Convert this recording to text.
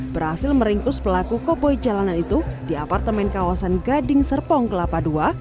berhasil meringkus pelaku koboi jalanan itu di apartemen kawasan gading serpong kelapa ii